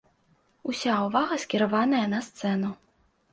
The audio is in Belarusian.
Уся ўвага скіраваная на сцэну.